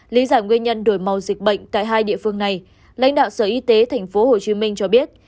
lý giải nguyên nhân đổi màu dịch bệnh tại hai địa phương này lãnh đạo sở y tế tp hcm cho biết